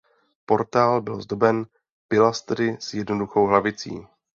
Portál byl zdoben pilastry s jednoduchou hlavicí.